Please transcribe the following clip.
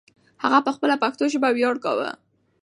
هغه په خپله پښتو ژبه ویاړ کاوه.